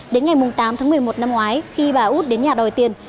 đến ngày tám tháng một mươi một năm ngoái khi bà út đến nhà đòi tiền